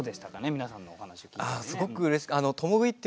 皆さんのお話を聞いてみてね。